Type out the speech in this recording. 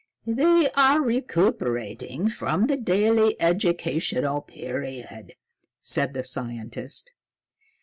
"They are recuperating from the daily educational period," said the scientist.